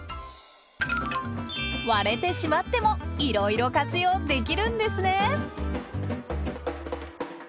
割れてしまってもいろいろ活用できるんですね！